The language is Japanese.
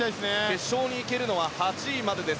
決勝に行けるのは８位までです。